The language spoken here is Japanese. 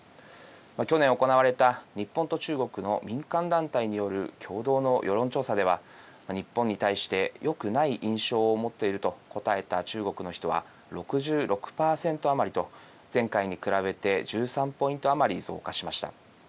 去年、行われた日本と中国の民間団体による共同の世論調査では日本に対してよくない印象をもっていると答えた中国の人は６６％余りと前回に比べて１３ポイント余り増加しました。